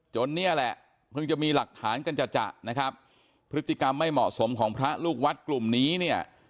เนี่ยแหละเพิ่งจะมีหลักฐานกันจัดจะนะครับพฤติกรรมไม่เหมาะสมของพระลูกวัดกลุ่มนี้เนี่ย